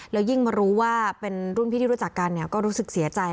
แล้วยิ่งมารู้ว่าเป็นรุ่นพี่ที่รู้จักกันก็รู้สึกเสียใจ